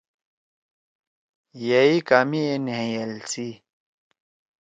یأ ئی کامے اے نھأیأل سی